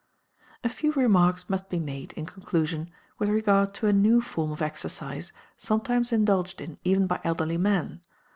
A few remarks must be made, in conclusion, with regard to a new form of exercise sometimes indulged in even by elderly men.